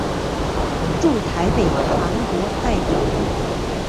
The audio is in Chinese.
驻台北韩国代表部。